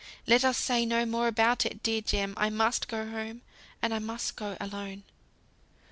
Let us say no more about it, dear Jem. I must go home, and I must go alone."